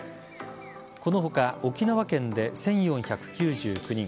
この他、沖縄県で１４９９人